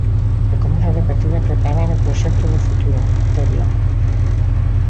E comeza o Deportivo a preparar o proxecto do futuro, Terio.